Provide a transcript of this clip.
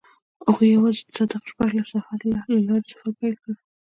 هغوی یوځای د صادق شپه له لارې سفر پیل کړ.